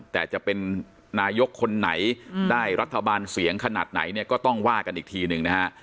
แต่จะเป็นนายกคนไหนได้รัฐบาลเสียงขนาดไหนเนี่ยก็ต้องว่ากันอีกทีหนึ่งนะฮะ